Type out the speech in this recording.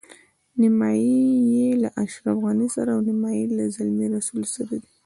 نیمایي یې له اشرف غني سره او نیمایي له زلمي رسول سره دي.